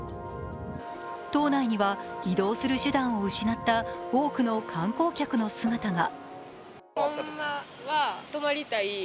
島内には移動する手段を失った多くの観光客の姿が。